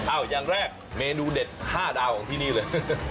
อย่างแรกเมนูเด็ด๕ดาวของที่นี่เลย